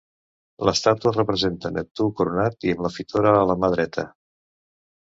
L'estàtua representa Neptú coronat i amb la fitora a la mà dreta.